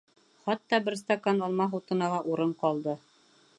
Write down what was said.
Хатта бер стакан алма һутына ла урын ҡалды.